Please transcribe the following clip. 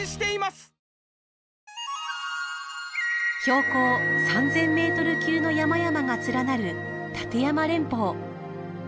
標高３０００メートル級の山々が連なる立山連峰。